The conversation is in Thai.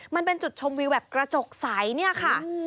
มันเป็นจุดชมวิวแบบกระจกใสเนี่ยค่ะ